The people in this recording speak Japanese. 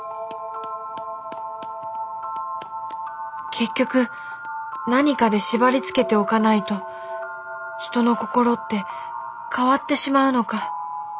結局何かで縛りつけておかないと人の心って変わってしまうのか。